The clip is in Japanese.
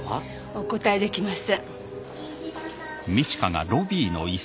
お答えできませんハァ